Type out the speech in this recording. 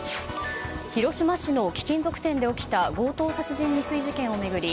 広島市の貴金属店で起きた強盗殺人未遂事件を巡り